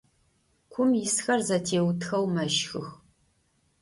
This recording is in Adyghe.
Kum yisxer zetêutxeu meşxıx.